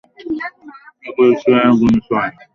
একবার উঁচু হয়, একবার নিচু হয়।